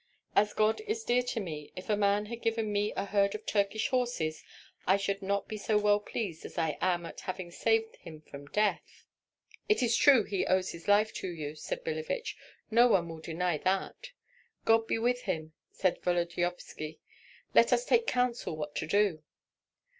As God is dear to me, if a man had given me a herd of Turkish horses I should not be so well pleased as I am at having saved him from death." "It is true he owes his life to you," said Billevich; "no one will deny that." "God be with him!" said Volodyovski; "let us take counsel what to do."